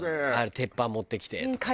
「鉄板持ってきて」とかさ。